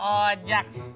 eh tati emang ojak